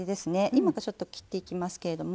今からちょっと切っていきますけれども。